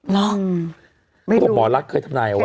ไม่รู้เพราะว่าหมอลักค์เคยคำนาญเอาไว้